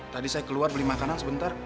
tadi saya keluar beli makanan sebentar